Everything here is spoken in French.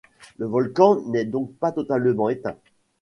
Le volcan n'est donc pas totalement éteint?